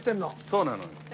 そうなの。